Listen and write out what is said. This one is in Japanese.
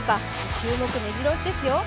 注目、めじろ押しですよ。